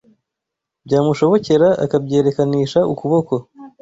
byamushobokera akabyerekanisha ukuboko